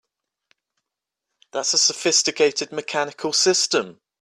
That's a sophisticated mechanical system!